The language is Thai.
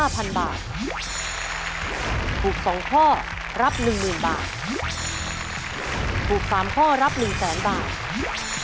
ปลูก๓ข้อรับ๑แสนบาท